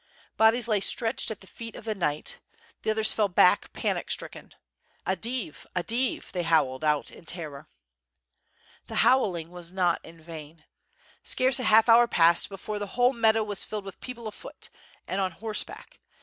Bodies lay stretched at the feet of the knight, the others fell back panic stricken. "A div! a div!" they howled out in terror. The howling was not in vain. Scarce a half hour passed be fore the whole meadow was filled with people afoot and on horseback.